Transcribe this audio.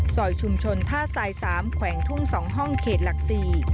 สอยชุมชนท่าสายสามแขวงทุ่งสองห้องเขตหลักศรี